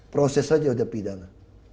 proses aja udah pidana